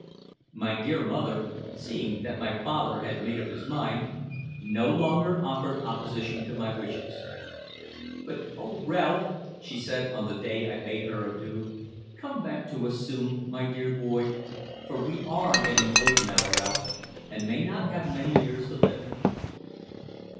My dear mother, seeing that my father had made up his mind, no longer offered opposition to my wishes. "But, oh Ralph!" she said on the day I bade her adieu, "come back soon to us, my dear boy; for we are getting old now, Ralph, and may not have many years to live."